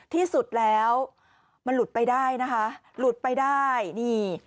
ที่สุดแล้วมันหลุดไปได้นะคะหลุดไปได้นี่